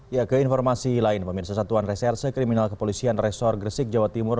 ya ke informasi lain pemirsa satuan reserse kriminal kepolisian resor gresik jawa timur